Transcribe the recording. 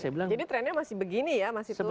jadi trennya masih begini ya masih turun ya